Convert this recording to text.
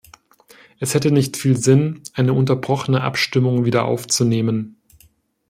Es hätte nicht viel Sinn, eine unterbrochene Abstimmung wieder aufzunehmen.